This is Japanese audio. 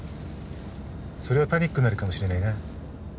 それはパニックになるかもしれないな。